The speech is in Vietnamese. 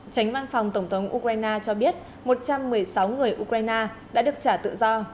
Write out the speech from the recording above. tránh văn phòng tổng thống ukraine cho biết một trăm một mươi sáu người ukraine đã được trả tự do